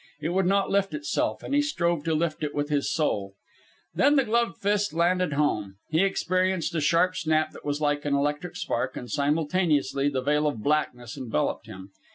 It would not lift itself, and he strove to lift it with his soul. Then the gloved fist landed home. He experienced a sharp snap that was like an electric spark, and, simultaneously, the veil of blackness enveloped him.